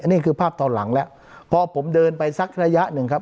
นี่คือภาพตอนหลังแล้วพอผมเดินไปสักระยะหนึ่งครับ